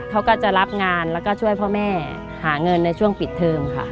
เขาก็จะรับงานแล้วก็ช่วยพ่อแม่หาเงินในช่วงปิดเทิมค่ะ